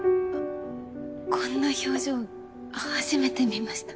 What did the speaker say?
こんな表情初めて見ました。